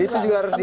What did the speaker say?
itu juga harus di